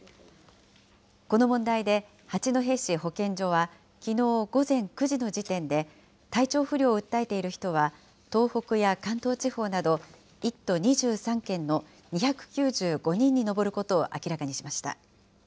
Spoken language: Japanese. この問題で八戸市保健所は、きのう午前９時の時点で体調不良を訴えている人は、東北や関東地方など、１都２３県の２９５人に上ることを明らかにしました。